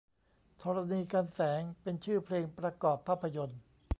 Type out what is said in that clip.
ธรณีกรรแสง เป็นชื่อเพลงประกอบภาพยนต์